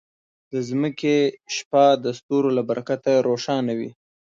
د ځمکې شپه د ستورو له برکته روښانه وي.